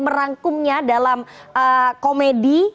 merangkumnya dalam komedi